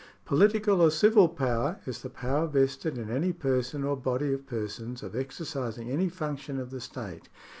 Political or civil power is the power vested in any person or body of persons of exercising any function of the state.